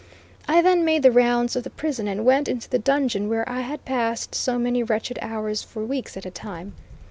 I then made the rounds of the prison, and went into the dungeon where I had passed so many wretched hours for weeks at a time.